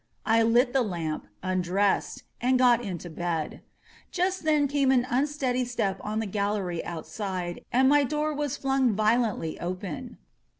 I lit the lamp, undressed, and got into bed. Just then came an unsteady step on the gallery outside and my door was flung violently open.